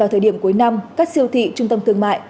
hồi điểm cuối năm các siêu thị trung tâm thương mại